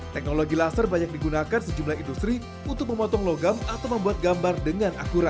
teknologi laser banyak digunakan sejumlah industri untuk memotong logam atau membuat gambar dengan akurat